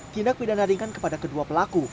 tindak pindah naringan kepada kedua pelaku